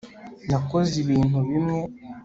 nakoze ibintu bimwe